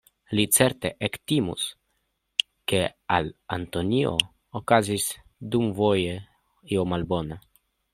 Li certe ektimus, ke al Antonio okazis dumvoje io malbona.